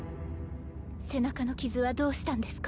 背中の傷はどうしたんですか？